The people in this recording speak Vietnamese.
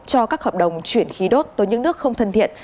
cho các hợp đồng chuyển khí đốt tới những nước không thân thiện